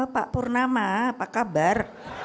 pak purnama apa kabar